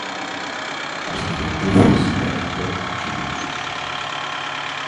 As directrices teñen dous obxectivos.